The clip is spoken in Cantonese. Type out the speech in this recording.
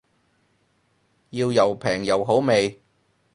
要又平又好味